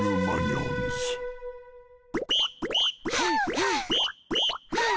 はあはあ。